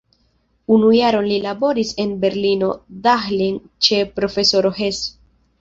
Unu jaron li laboris en Berlino-Dahlem ĉe profesoro Hess.